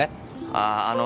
あっあの